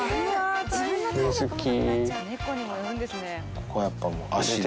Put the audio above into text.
ここはやっぱり足で。